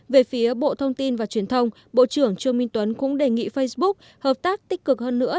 về phía bộ thông tin và truyền thông bộ trưởng trương minh tuấn cũng đề nghị facebook hợp tác tích cực hơn nữa